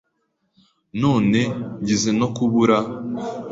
None ngize no kubura